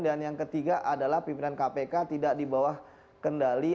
dan yang ketiga adalah pimpinan kpk tidak di bawah kendali